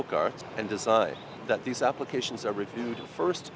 cho nên thành phố có quyền tự dụng